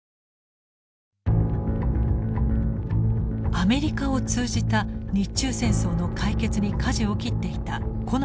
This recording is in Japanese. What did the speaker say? アメリカを通じた日中戦争の解決にかじを切っていた近衛文麿。